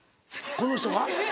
この人が？